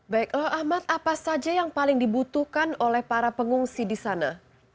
baik lalu ahmad apa saja yang paling dibutuhkan oleh para pengungsi di sana